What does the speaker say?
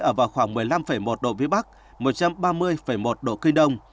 ở vào khoảng một mươi năm một độ vĩ bắc một trăm ba mươi một độ kinh đông